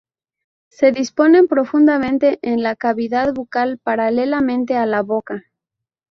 Se disponen profundamente en la cavidad bucal, paralelamente a la boca.